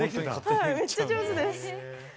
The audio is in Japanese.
めっちゃ上手です。